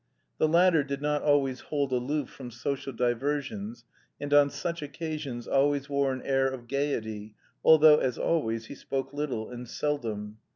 The latter did not always hold aloof from social diversions, and on such occasions always wore an air of gaiety, although, as always, he spoke little and seldom.